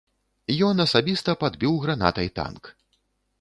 Ён асабіста падбіў гранатай танк.